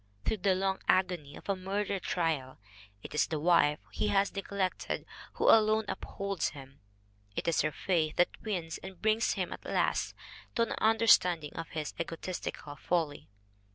Through the long agony of a murder trial it is the wife he has neglected who alone upholds him. It is her faith that wins and that brings him at last to an understanding of his egotistical folly.